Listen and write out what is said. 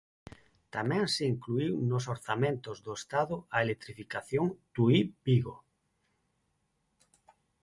Tamén se inclúe nos orzamentos do Estado a electrificación Tui-Vigo.